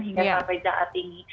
hingga sampai saat ini